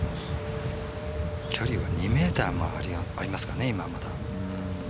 距離は２ｍはありますかね、まだ。